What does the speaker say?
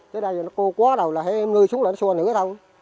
thế đây nó cô quá đầu là hay mưa xuống là nó xua nữa thôi